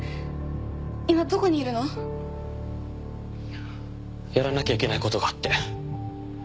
今どこにいるの？やらなきゃいけない事があって。